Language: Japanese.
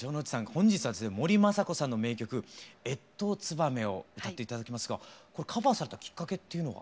本日は森昌子さんの名曲「越冬つばめ」を歌って頂きますがカバーされたきっかけっていうのは？